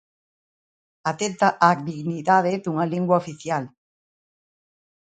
Atenta á dignidade dunha lingua oficial.